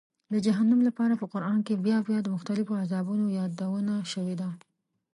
د جهنم لپاره په قرآن کې بیا بیا د مختلفو عذابونو یادونه شوې ده.